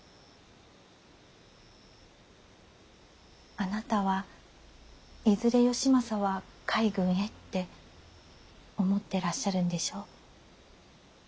あなたはいずれ義正は海軍へって思ってらっしゃるんでしょう？